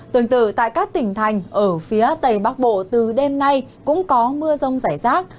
tương tự tại các tỉnh thành ở phía tây bắc bộ từ đêm nay cũng có mưa rông rải rác